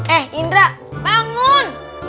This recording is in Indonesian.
eh indra bangun